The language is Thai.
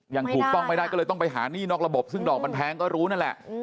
อย่างถูกต้องไม่ได้ก็เลยต้องไปหาหนี้นอกระบบซึ่งดอกมันแพงก็รู้นั่นแหละ